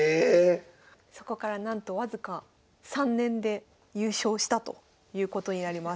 そこからなんと僅か３年で優勝したということになります。